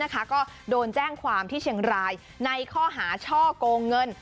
ก็โดนแจ้งความที่เชียงรายในข้อหาช่อกงเงิน